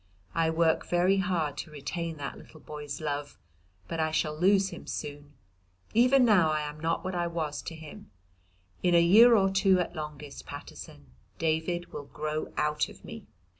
I work very hard to retain that little boy's love; but I shall lose him soon; even now I am not what I was to him; in a year or two at longest, Paterson, David will grow out of me."